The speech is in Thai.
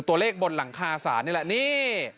ตัวเลขบนหลังคาศาลนี่แหละนี่